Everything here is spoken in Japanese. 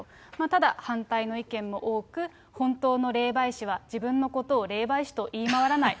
ただ、反対の意見も多く、本当の霊媒師は自分のことを霊媒師と言い回らない。